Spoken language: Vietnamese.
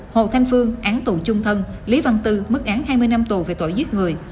hồ thanh phương án tù chung thân lý văn tư mức án hai mươi năm tù về tội giết người